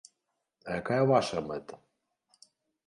А якая ваша мэта?